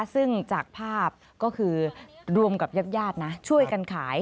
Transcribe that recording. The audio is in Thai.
ซึ่งจากภาพก็คือรวมกับญาตินะช่วยกันขาย